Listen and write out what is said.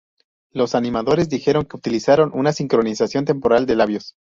Los animadores dijeron que utilizaron una sincronización temporal de labios.